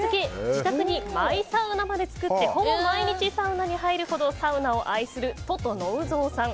自宅にマイサウナまで作ってほぼ毎日サウナに入るほどサウナを愛する、ととのう蔵さん。